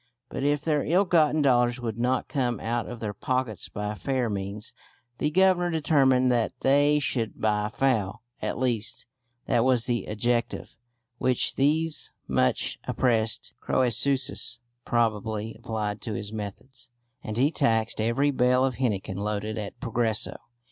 But if their ill gotten dollars would not come out of their pockets by fair means, the Governor determined that they should by foul (at least, that was the adjective which these much oppressed Crœsuses probably applied to his methods), and he taxed every bale of henequen loaded at Progreso.